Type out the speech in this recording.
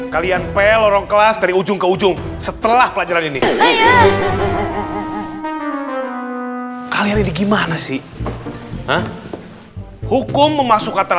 kalian p lorong kelas dari ujung ke ujung setelah pelajaran ini kalian ini gimana sih hukum memasukkan